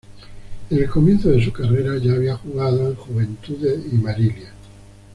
En el comienzo de su carrera, ya había jugado en Juventude y Marília.